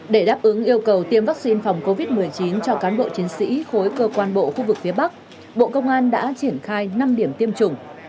để đáp ứng yêu cầu tiêm vaccine phòng covid một mươi chín cho cán bộ chiến sĩ khối cơ quan bộ khu vực phía bắc bộ công an đã triển khai năm điểm tiêm chủng